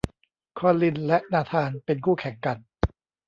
คอลินและนาธานเป็นคู่แข่งกัน